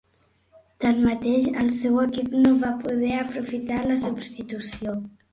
Tanmateix, el seu equip no va poder aprofitar la substitució.